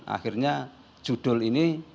akhirnya judul ini